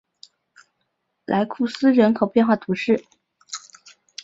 莱库斯人口变化图示